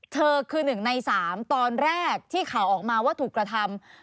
เธอคือ๑ใน๓ตอนแรกที่ข่าวออกมาว่าถูกกระทำ